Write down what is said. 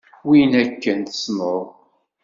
Winna akken tesneḍ.